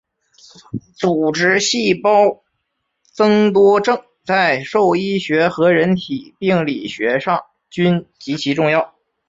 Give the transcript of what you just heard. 组织细胞增多症在兽医学和人体病理学上均极其重要。